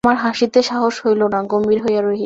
আমার হাসিতে সাহস হইল না, গম্ভীর হইয়া রহিলাম।